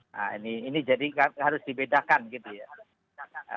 nah ini jadi harus dibedakan gitu ya